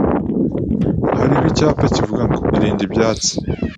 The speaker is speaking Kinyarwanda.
Hariho icyapa kivuga ngo: "Irinde ibyatsi."